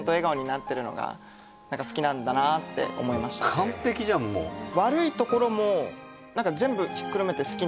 完璧じゃんもうええ？